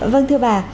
vâng thưa bà